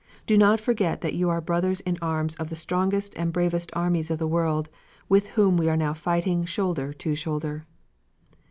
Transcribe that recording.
Do not forget that you are brothers in arms of the strongest and bravest armies of the world, with whom we are now fighting shoulder to shoulder."